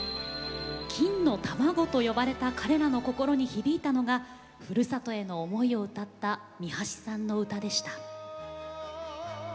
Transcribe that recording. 金の卵と呼ばれた彼らの心に響いたのがふるさとへの思いを歌った三橋さんの歌でした。